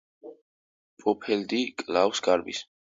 ბლოფელდი კვლავ გარბის.